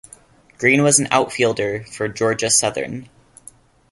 Greene was an outfielder for Georgia Southern.